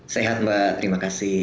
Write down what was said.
sehat mbak terima kasih